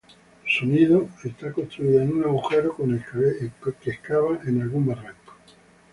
Su nido es construido en un agujero que excava en algún barranco.